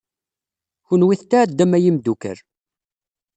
Kenwi tetɛeddam a imeddukal.